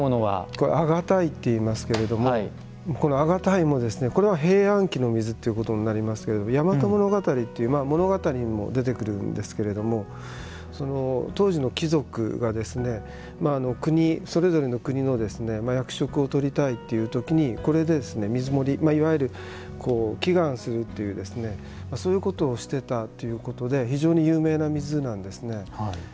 これは県井といいますけれどもこの県井もこれは平安期の水になりますけど「大和物語」という物語にも出てくるんですけれども当時の貴族がそれぞれの国の役職を取りたいという時にいわゆる祈願するというそういうことをしてたということで非常に有名な水なんですね。